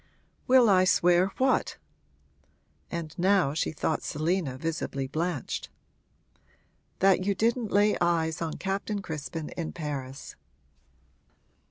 'Will I swear what?' And now she thought Selina visibly blanched. 'That you didn't lay eyes on Captain Crispin in Paris.'